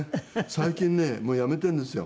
最近ねもうやめているんですよ。